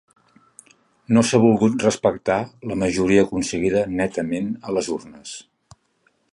No s’ha volgut respectar la majoria aconseguida netament a les urnes.